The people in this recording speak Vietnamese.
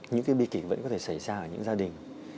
những cái bi kịch vẫn có thể xảy ra ở những gia đình